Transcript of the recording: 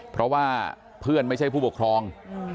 เพราะว่าเพื่อนไม่ใช่ผู้ปกครอง